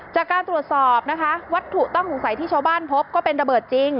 จากการตรวจสอบนะคะวัตถุต้องสงสัยที่ชาวบ้านพบก็เป็นระเบิดจริง